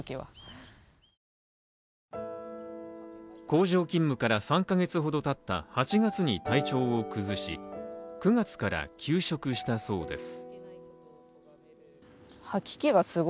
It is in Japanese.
工場勤務から３カ月ほどたった８月に体調を崩し９月から休職したそうです。